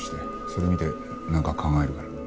それ見てなんか考えるから。